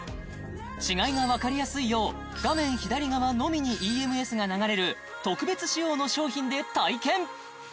違いがわかりやすいよう画面左側のみにＥＭＳが流れる特別仕様の商品で体験！